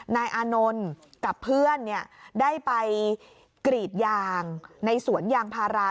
นายอานนท์กับเพื่อนได้ไปกรีดยางในสวนยางพารา